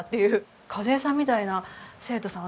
和枝さんみたいな生徒さん